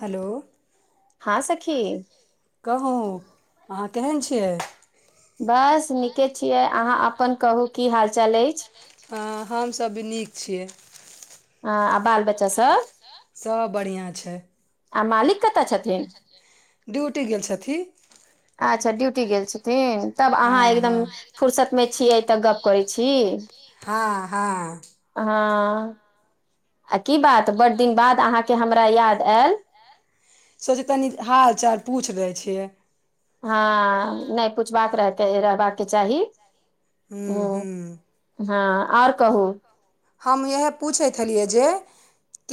Hello हँ सखी कहू अहाँ केहन छियै बस नीके छियै अहाँ अपन कहू की हाल चाल अछि है हमसभ भी नीक छियै आ आ बाल बच्चा सब सब बढ़िआँ छै आ मालिक कतऽ छथिन ड्यूटी गेल छथिन अच्छा ड्यूटी गेल छथिन तब तहन तऽ अहाँ एकदम फर्सत में छियै तऽ गप करै छी की हाँ हाँ हाँ आ की बात बड़ दिन बाद अहाँ के हमरा याद आयल सोचे तनी हाल चाल पूछि लै छियै हाँ नहि पूछबाक रहते रहबाक चाही ह्म हम ह्म हँ और कहू हम इयह पूछैत छलियै जे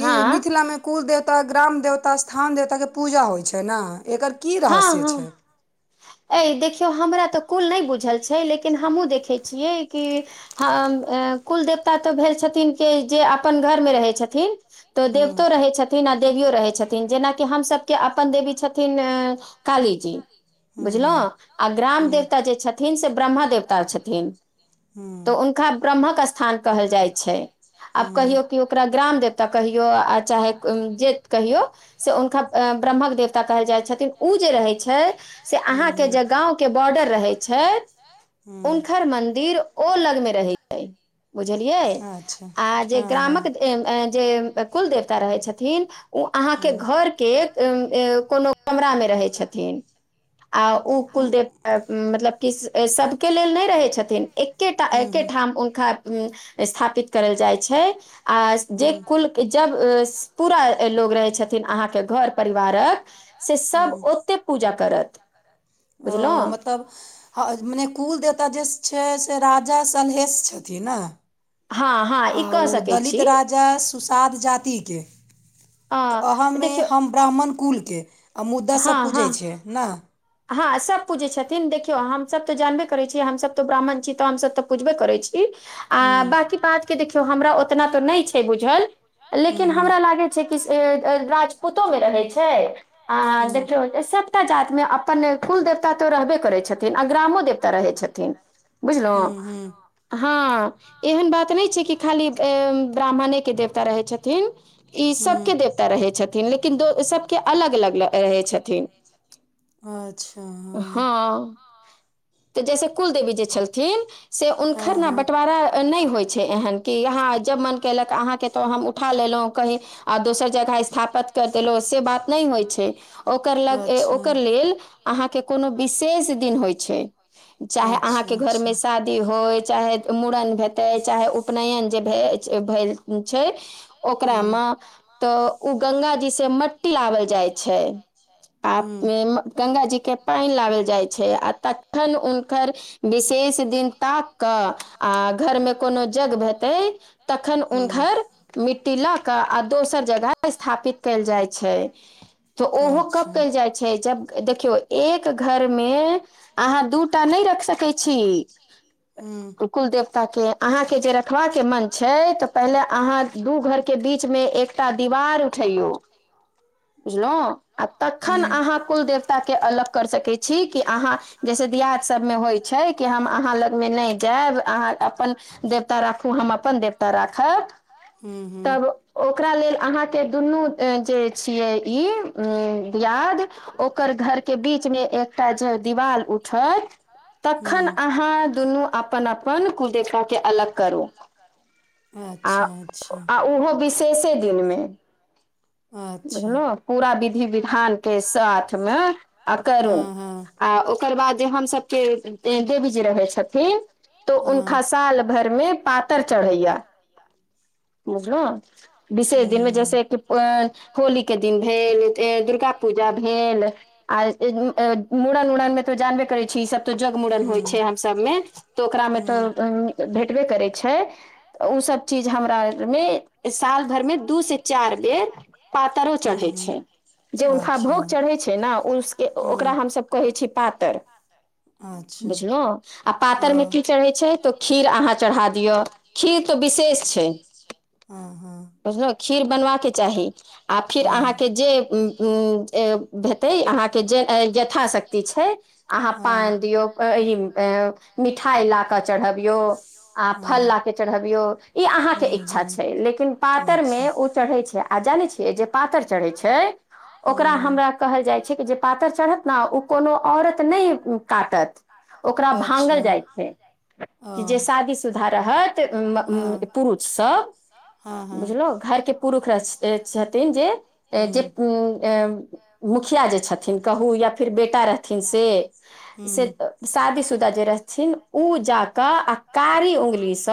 कि मिथिलामे कुल देवता ग्राम देवता स्थान देवताके पूजा होइ छै ने एकर की रहस्य छै ऐ देखियौ हमरा तऽ कुल नहि बुझल छै लेकिन हमहूँ देखैत छियै कि हाँ कुल देवता तऽ भेल छथिन कि जे अपन घर मे रहैत छथिन तऽ हूँ देवतो रहै छथिन आ देवियो रहै छथिन जेना कि हम सभ के अपन देवी छथिन काली जी हूँ हूँ हूँ बुझलौं आ ग्राम हूँ देवता जे छथिन थीन से ब्रह्म देवता छथिन हूँ तऽ हुनका ब्रह्मक स्थान कहल जाइ छै आब हूँ कहियौ कि ओकरा ग्राम देवता कहियौ आ चाहे जे कहियौ से हुनका ब्रह्मक देवता कहल जाई छथिन ओ जे रहै छै से अहाँ के जे गाँवके जे बॉर्डर रहै छै हूँ हुनकर मन्दिर ओ लग मे रहै छै बुझलियै अच्छा आ जे हँ हँ ग्रामक जे कुल देवता रहे छथिन उ अहाँ के हूँ घर के कोनो कमरा में रहे छथीन रहै छथिन आ ओ कुलदेवता मतलब कि सब सभ के लेल नहि रहै छथिन एक एके टा हूँ हूँ एकेठाम हुनका स्थापित करल जाई छै आ जे हूँ कुल जब पूरा लोग रहै छथिन अहाँ के घर परिवारक से सभ हूँ ओतै पूजा करत ओ बुझलहुँ मतलब हाँ मने कुल देेवता जे छै से राजा सलहेश छथिन नै हाँ हाँ आ ओ दलित राजा सुसाद जाति के आ देखियौ ब्राह्मण कुल के आ मुद्दा सब पूजै छै नै हाँ सभ पूजै छथिन देखियौ हम सभ तऽ जानबे करै छीयै हमसभ तऽ ब्राह्मण छी तऽ हम सभ तऽ पूजबे करै छी आ हूँ बाकी बात के देखियौ हमरा ओतना तऽ नहि छै बुझल हूँ लेकिन हूँ हमरा लागै छै कि से राजपूतो मे रहै छै आ छै हूँ देखियौ सबटा जात मे अपन अपन कुल देवता तऽ रहबे करै छथिन आ ग्रामो देवता रहै छथिन बुझलहुँ हूँ हूँ हाँ एहन बात नहि छै कि खाली ब्राह्मणे के देवता रहै छथिन ई हूँ सब के देवता तऽ रहै छथिन लेकिन दो सबके अलग अलग रहै छथिन अच्छा हं हं तऽ जैसे कुलदेवी जे छलथिन से हँ हुनखर ने बँटवारा नहि होई छै एहन कि अहाँ जब मन कयलक अहाँ के तऽ हम उठा लेलहुँ कहीँ आ दोसर जगह स्थापत करि देलहुँ से बात नहि होई छै ओकर लग ओकर लेल अहाँ के कोनो विशेष दिन होई छै चाहे अहाँ अच्छा के घर मे शादी होय चाहे मूड़न भेतै चाहे उपनयन जे भऽ भेल छै ओकरा हूँ मे तऽ ओ गंगा जी से मट ट्टी लओल जाइ छै आप हूँ मे आ गंगाजी के पानि लाबल जाइ छै आ तखन हुनकर विशेष दिन ताक कऽ आ घर मे कोनो जग हेतै तखन हु हूँ घर मिट्टी लऽ कऽ आ दोसर जगह स्थापित कयल जाइ छै तऽ ओहो कब कल जाइ छै जब देखियौ एक घर मे अहाँ दू टा नहि रखि सकै छी हूँ कुलदेवताके अहां के जे र खबाके मन छै तऽ पहिले अहाँ दू घरके बीचमे एकटा दीवार उठैयौ ह [inaudible] [inaudible] बुझलहुँ आ तखन अहाँ कुल देवताके अलग करि सकैत छी कि अहाँ जैसे दियात सब में होइ छै कि हम अहाँ लग मे नहि जायब अहाँ अपन देव देता राखू हम अपन देवता राखय हूँ हूँ तब ओकरा लेल अहाँ के दुनू जे छियै ई दिआद ओकर घर के बीच मे एकटा जे दिवाल उठत हूँ तखन अहाँ दुनू अपन अपन कुलदेवताके अलग करू करू आ अच्छा अच्छा आ ओहो विशेषे दीन मे अच्छा बुझलहो पूरा विधि विधान के साथमे आ करू हँ हँ आ ओकर बाद जे हमसभके देवी जी रहै छथिन तऽ हँ हुनका साल भरि मे पातर चढ़ै या बुझलौ हूँ विसेष दिनमे जैसे कि होली के दिन भेल फेर दुर्गा पूजा भेल आ मूड़न उड़न में तो जानबे करै छी ई सब तो जग हूँ मुड़न होइ हूँ छै हम सब मे तो ओकरा मे तो भेटबे करै छै तऽ ओसभ चीज हमरा अरमे साल भर मे दू से चार बेर पातरो हूँ चढ़े छै जे हूँ हुनका अच्छा भोग चढ़े छै ने उसके हूँ ओकरा हम सब कहे छी पात तर अच्छा बुझलहु आ पातरिमे की हँ चढ़ै छै तऽ खीर अहाँ चढ़ा दिओ हँ खिर तऽ विशेष छै के बुझलत खीर बन बाके चाही आ फिर हँ अहाँके जे ए हेतै अहाँके जे यथाशक्ति छै अहाँ हँ पान दियौ ई मिठाइ लऽ कऽ चढ़बियौ आ फल लऽ हँ कऽ चढ़बियौ ई अहाँके हूँ इच्छा हूँ छै लेकिन पातर मे अच्छा ओ चढ़ै छै आ जानै छियै जे पातर चढ़ै छै ओकरा हूँ हमरा कहल जाइ छै कि जे पातर चढ़त ने ओ कोनो औरत नहि काटत ओकरा अच्छा भांगल जाइ छै ओ कि जे शादीशुदा रहत हँ पुरुषसभ हँ हँ हूँ बुझलो घरके पुरुष छथिन जे हूँ मुखिया जे छथिन कहू या फेर बेटा रहथिन से से हूँ शादीशुदा जे रहथिन उ जाक आ कारी उंगली से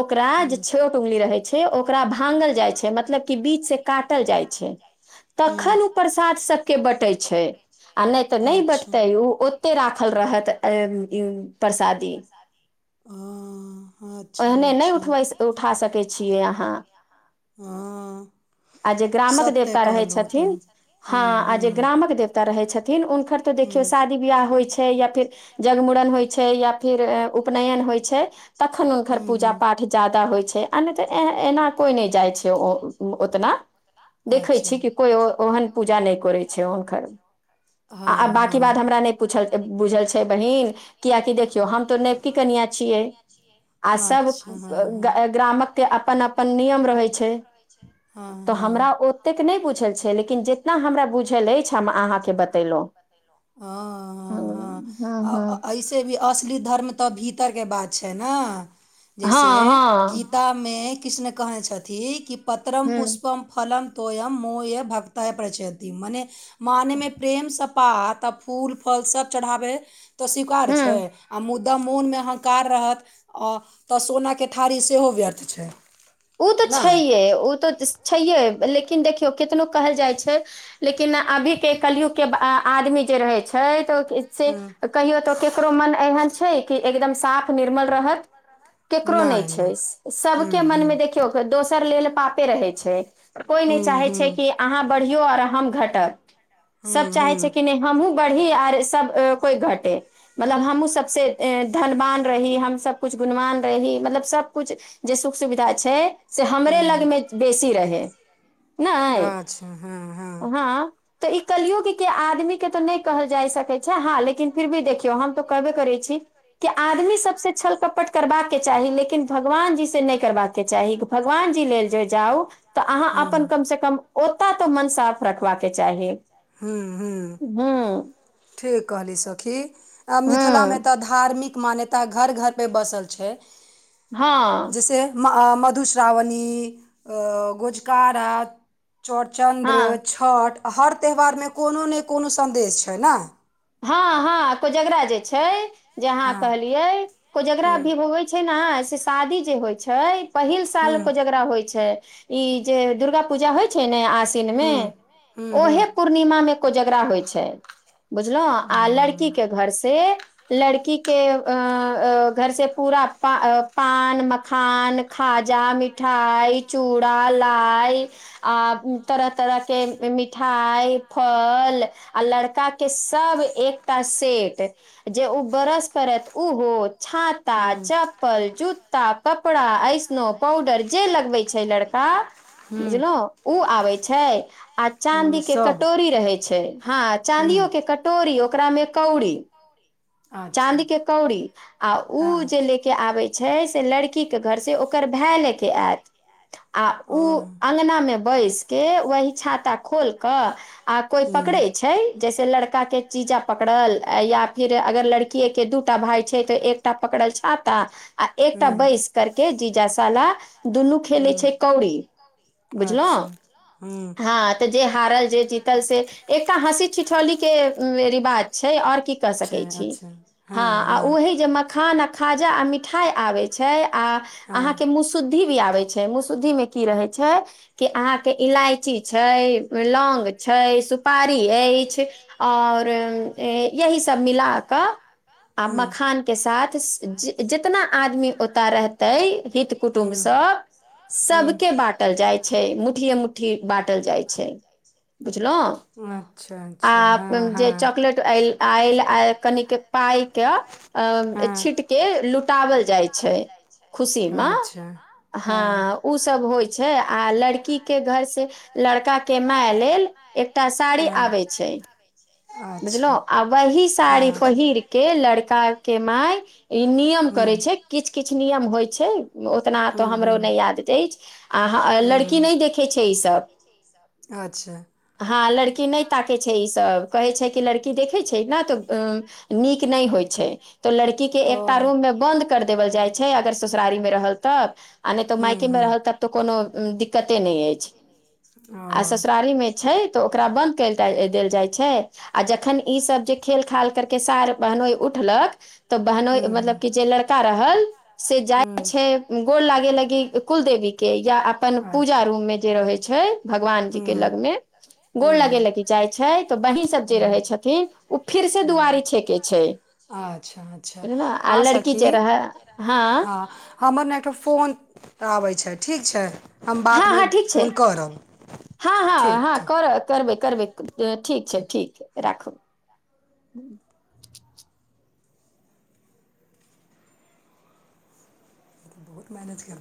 ओकरा जे छोट उंगली रहे छै ओकरा भांगल जाइ छै मतलब की ओकरा बीच से का काटल जाइ छै हूँ तखन ओ प्रसाद सबके बँटै छै आ नहि तऽ नहि अच्छा बटतै ओ ओते राखल रहत परसादक हु ओहने नहि उठबै उठा सकैय छिए अहाँ हँ आ जे ग्रामक सत्य देवता रहै कहलहुँ एकदम छथिन हँ ह्म आ जे ह्म ग्रामक देवता रहै छथिन हुनकर देखियौ ह्म शादी बियाह होइ छै या फिर जगमूड़न होइ छै या फिर उपनयन होइ छै तऽ कखन हुनकर हूँ पूजा हूँ पाठ ज्यादा होइ छै आ नहि तऽ एना कोइ नहि जाइ छै ओ ओतना देखै अच्छा छी ओहन कि कोइ ओहन पूजा नहि करै छै हुनकर आ [unintelligible] हं बाँकी हं बात हमरा नहि बाकि पूछल बात नई बुझल पुछत छै बहिन बहिन कियाकि देखियौ किया कि तो नेबकी हम तो कनिया नवकी छियै कनिया [unintelligible] छिए आ सब ग्रामक के अपन अपन नियम रहै छै हँ तऽ हँ हमरा ओतेक नइ बुझल छै लेकिन जऽते हमरा बुझल अछि हम अहाँके बतेलओ हं हं हँ हं ऐसे भी असली धर्म त भीतर बात छै न जैसे गी गीता मे कृष्ण कहने छथि कि पत्रम पुष्पम फलम तोयम मोय भक्तय प्रचयति मने मानमे प्रेम सप्त हाँ तो फूल फल सब चढाबै हय त स्वीकार छै ह आ मु दा मोन मे अहंकार रहत तऽ सोनाके थारी सेहो व्यर्थ छै ओ तऽ ने। छैहे ओ तऽ छैहे लेकिन देखियौ कितनो कहल जाइ छै लेकिन अभीके कलयुगके आदमी जे रहैत छै तऽ से कहियो तो केकरो हूँ। मन एहन छै कि एकदम साफ निर्मल रहत केकरो नइ नहि नहि छै ह्म सबके मनमे ह्म देख खियौ दोसर लेल पापे रहै छै कोइ नै ह्म चाहै छै ह्म कि अहाँ बढ़ियौ आर हम घटब सब ह्म चाहै छै ह्म कि नहि हमहुँ बढ़ी आर सब कोइ घटे मतलब हमहुँ सबसे धनवान रही हम सबकुछ गुणवान रही मतलब सबकुछ जे सुख सुविधा छै से हमरे ह्म लगमे बेसी रहै नइ अच्छा हँ हँ तऽ ई कलियुग के आदमी के तऽ नइ कहल जाय सकै छै हँ लेकिन फिर भी देखियौ हम तऽ कहबे करै छी की आदमी सबसे छल कपट करबाके चाही लेकिन भगवान जी से नइ करबाक के चाही की भगवान जी लेल जो जाउ तऽ अहाँ अपन ह्म कमसँ कम ओतय तऽ मन साफ रखबाके चाही हूंम्म हूंम्म हूंम्म ठीक कहली सखी आ हूँ मिथिलामे तऽ धार्मिक मान्यता घर घर मे बसल छै हँ जैसे म मधुश्रावणी गोजकारा चौरचन्द्र हँ छठ आ हर त्यौहारमे कोनो नै कोनो सन्देश छै न हँ हँ कोजगरा जे छै जे आहाँ हँ कहलियै कोजगरा हूँ भी होवै छै छै ने से शादी जे होइ छै पहिल साल हूँ कोजगरा होइ छै ई जे दुर्गा पूजा होइ छै ने आसिन मे हूँ हूँ हूँ ओहे पूर्णिमा मे कोजगरा होइ छै बुझलौं आ लड़की हूँ के घर से लड़की के अ घर से पूरा प पान मखान खाजा मिठाई चूड़ा लाइ आ तरह तरह के मिठाई फल आ लड़का के सब एकटा सेट जे ओ बरस करत उहो छा ता हूँ चप्पल जूता कपड़ा एस्नो पाउडर जे लगवै छै लड़का बुझलौं उ आबै छै आ चाँदीके कटोरी रहै छै हँ चाँदियो के कटोरी ओकरामे कौड़ी अच्छा चाँदी के कौड़ी आ उ जे ले के आबै छै से लड़कीके घर से ओकर भाय लेके आयत आ ओ उ हूँ अङगनामे बैस कऽ वही छाता खोल कऽ आ कोई पकड़े छै जैसे लड़का के जीजा पकड़ल या फिर अगर लड़किये के दूटा भाय छै तऽ एकटा पकड़ल छाता आ एकटा हूँ बैस करके जीजा साला दुनू खेलैत हूँ छै कौड़ी बुझलौं अच्छा हूंम्म हँ तऽ जे हारल जे जीतल से एकटा हँसी ठिठौली के रिवाज छै और की कह अच्छे सकै छी अच्छे हँ आ ओही जे मखान आ खाजा आ मिठाई आबे छै आ हँ अहाँके मुस शुद्धि भी आबै छै मुसुद्धि मे की रहै छै कि आहाँके इलायची छै लौग छै सुपारी अछि आओर यही सब मिला कऽ आ हूँ मखान के साथ जितना आदमी ओतय रहतै हित कुटुम्ब सभ हूँ सबके बाँटल जाइ छै मुठ्ठीये मुट्ठी बाँटल जाइ छै बुझलौ अच्छा अच्छा आ हँ जे हँ चॉकलेट आयल आयल आ कनिक पाय के अ छीट के लुटावल जाइ छै, खुशी मे अच्छा हँ ओसब होइत छै आ लड़की के घर से लड़का के माय लेल एकटा साड़ी आबै छै। बुझलो छै आ वही साड़ी पहिर के लड़का के माय ई नियम करे छै किछ किछ नियम होइ छै ओतना तऽ हमरो नहि याद अछि आ लड़की नहि देखै छै ईसभ, सब अच्छा हँ लड़की नहि ताकै छै ईसभ कहै छै कि लड़की देखै छै ने तऽ उ नीक नहि होइ छै तऽ लड़की के ओ एकटा रूममे बन्द कर देबल जाइ छै अगर ससुरारी मे रहल तऽ आ ने हूँ मायके मे हूँ रहल तब तऽ कोनो दि दिक्कते नहि अछि आ जहन ओ ससुरारी मे छै तऽ ओकरा बन्द कल देल जाइत छै आ जखन ईसभ जे खेल खाल करके सार बहनो उठलक तऽ बहनोई हूँ हूँ मतलब पीछे लड़का रहल से जाइ हूँ छै गोर लागे लागी कुल देवी के या अपन पूजा रू जे रहै छै भगवान जी हूँ के हूँ लग मे गोड़ हूँ लगे हूँ लागी जाइ छै तऽ बहीन सब जे रहे हूँ छथिन ओ फिर से दुआरी छेकै छै अच्छा अच्छा ने आ हँ लड़की जे सखी रहै हँ हमर नेट मे फोन आवे छै ठीक छै बाद मे बात हँ करें हँ छी ठीक छै हँ हँ ठीक हँ ठीक कर करबै करबै ठीक छै ठीक राखु बहुत मैनेज करबै [unintelligible]